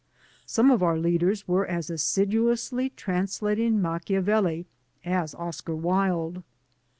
Some of our leaders were as assiduously translating Machiavelli as Oscar Wilde.